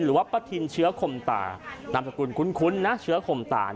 ป้าทินเชื้อคมตานามสกุลคุ้นนะเชื้อคมตา